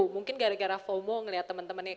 mungkin gara gara fomo ngeliat temen temennya